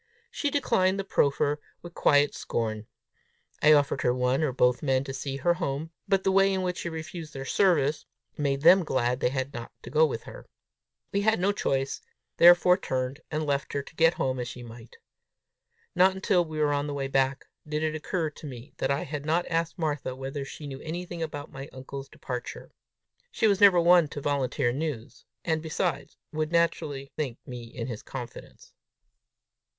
She declined the proffer with quiet scorn. I offered her one or both men to see her home, but the way in which she refused their service, made them glad they had not to go with her. We had no choice, therefore turned and left her to get home as she might. Not until we were on the way back, did it occur to me that I had not asked Martha whether she knew anything about my uncle's departure. She was never one to volunteer news, and, besides, would naturally think me in his confidence!